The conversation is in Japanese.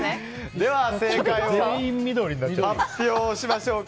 では正解を発表しましょうか。